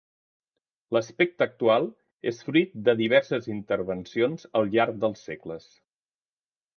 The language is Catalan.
L'aspecte actual és fruit de diverses intervencions al llarg dels segles.